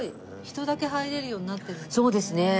人だけ入れるようになってるんですね。